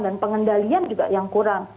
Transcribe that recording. dan pengendalian juga yang kurang